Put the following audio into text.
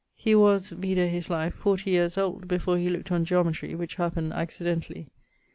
_> He was (vide his life) 40 yeares old before he looked on geometry; which happened accidentally.